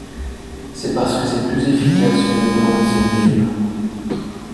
C’est parce que c’est plus efficace que nous prenons ces mesures.